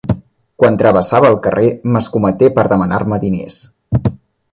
Quan travessava el carrer m'escometé per demanar-me diners.